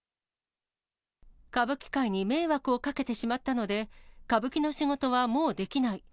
歌舞伎界に迷惑をかけてしまったので、歌舞伎の仕事はもうできない。